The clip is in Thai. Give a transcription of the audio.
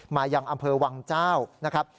มาอย่างอำเภอวังเจ้า